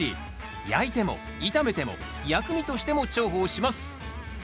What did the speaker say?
焼いても炒めても薬味としても重宝します。